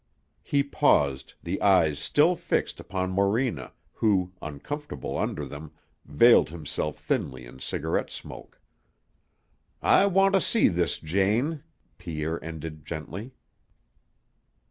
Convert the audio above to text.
He paused, the eyes still fixed upon Morena, who, uncomfortable under them, veiled himself thinly in cigarette smoke. "I want to see this Jane," Pierre ended gently.